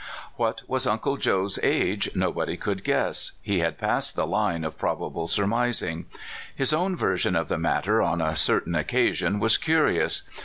What was Uncle Joe's age nobody could guess he had passed the line of probable surmising. His own version of the matter on a certain occasion was curious.